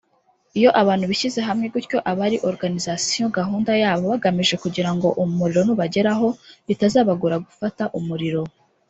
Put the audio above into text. Iyo abantu bishyize hamwe gutyo aba ari organisation (gahunda) yabo bagamije kugira ngo umuriro nubageraho bitazabagora gufata umuriro